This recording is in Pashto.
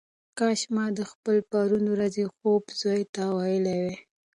کاشکي ما خپل د پرون ورځې خوب زوی ته ویلی وای.